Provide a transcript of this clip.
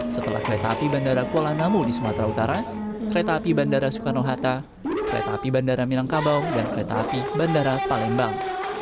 setelah kereta api bandara kuala namu di sumatera utara kereta api bandara soekarno hatta kereta api bandara minangkabau dan kereta api bandara palembang